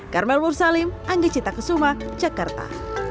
karmel mursalim angga cita kesuma jakarta